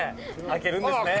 「開けるんですね」